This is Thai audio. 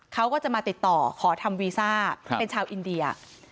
เขาก็จะมาติดต่อขอทำวีซ่าเป็นชาวอินเดีย